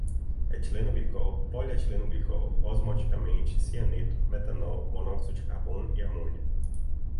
etilenoglicol, polietilenoglicol, osmoticamente, cianeto, metanol, monóxido de carbono, amônia